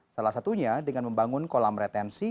salah satunya dengan membangun kolam retensi